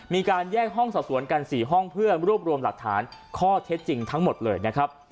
มีการแยกห้องสอบสวนกัน๔ห้องเพื่อรวบรวมหลักฐานข้อเท็จจริงทั้งหมดเลยนะครับ